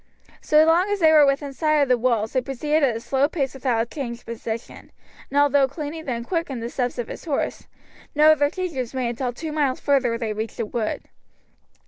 So long as they were within sight of the walls they proceeded at a slow pace without change of position, and although Cluny then quickened the steps of his horse, no other change was made until two miles further they reached a wood.